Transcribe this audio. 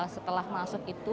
setelah masuk itu